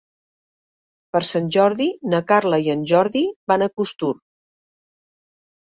Per Sant Jordi na Carla i en Jordi van a Costur.